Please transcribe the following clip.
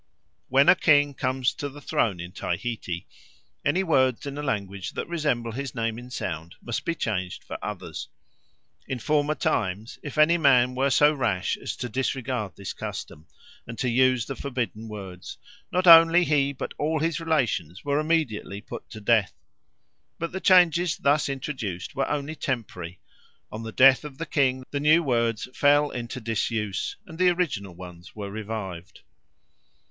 When a king comes to the throne in Tahiti, any words in the language that resemble his name in sound must be changed for others. In former times, if any man were so rash as to disregard this custom and to use the forbidden words, not only he but all his relations were immediately put to death. But the changes thus introduced were only temporary; on the death of the king the new words fell into disuse, and the original ones were revived.